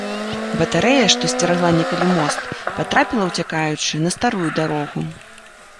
Батарэя, што сцерагла некалі мост, патрапіла, уцякаючы, на старую дарогу.